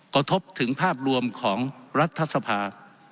กระทบถึงภาพรวมของรัฐสภา